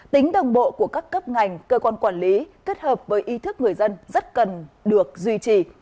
tính đồng bộ của các cấp ngành cơ quan quản lý kết hợp với ý thức người dân rất cần được duy trì